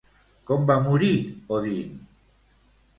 Com va morir Odin?